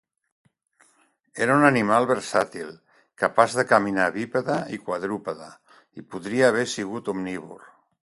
Era un animal versàtil, capaç de caminar bípede i quadrúpede, i podria haver sigut omnívor.